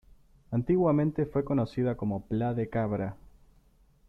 Antiguamente fue conocido como Pla de Cabra.